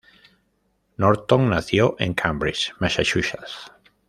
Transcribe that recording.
Norton nació en Cambridge, Massachusetts.